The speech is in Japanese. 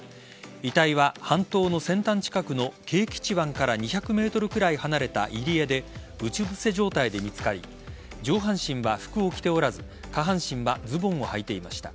遺体は半島の先端近くの啓吉湾から２００ｍくらい離れた入江でうつ伏せ状態で見つかり上半身は服を着ておらず下半身はズボンをはいていました。